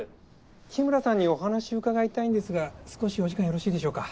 日村さんにお話伺いたいんですが少しお時間よろしいでしょうか？